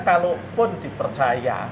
kalau pun dipercaya